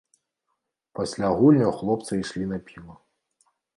Пасля гульняў хлопцы ішлі на піва.